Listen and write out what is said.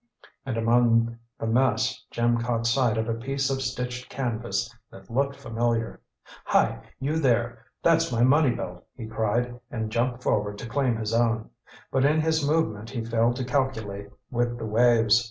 And among the mess Jim caught sight of a piece of stitched canvas that looked familiar. "Hi, you there! That's my money belt!" he cried, and jumped forward to claim his own. But in his movement he failed to calculate with the waves.